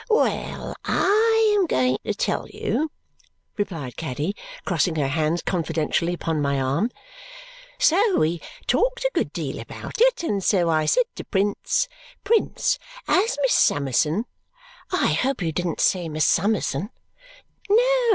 "Well! I am going to tell you," replied Caddy, crossing her hands confidentially upon my arm. "So we talked a good deal about it, and so I said to Prince, 'Prince, as Miss Summerson '" "I hope you didn't say 'Miss Summerson'?" "No.